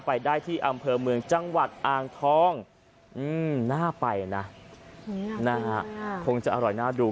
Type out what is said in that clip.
ไปได้ที่อำเภอเมืองจังหวัดอ่างทองน่าไปนะคงจะอร่อยน่าดู